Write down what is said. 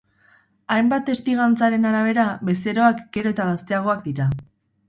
Hainbat testigantzaren arabera, bezeroak gero eta gazteagoak dira.